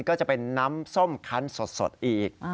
ก็จะเป็นน้ำส้มคันสดอีก